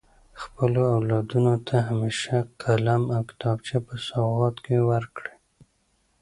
خپلو اولادونو ته همیشه قلم او کتابچه په سوغات کي ورکړئ.